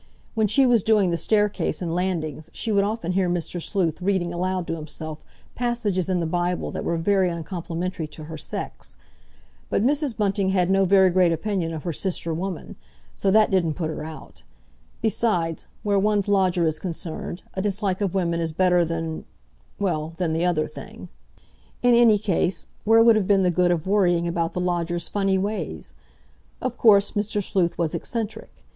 When she was doing the staircase and landings she would often hear Mr. Sleuth reading aloud to himself passages in the Bible that were very uncomplimentary to her sex. But Mrs. Bunting had no very great opinion of her sister woman, so that didn't put her out. Besides, where one's lodger is concerned, a dislike of women is better than—well, than the other thing. In any case, where would have been the good of worrying about the lodger's funny ways? Of course, Mr. Sleuth was eccentric.